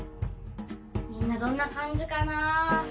みんなどんな感じかなぁ。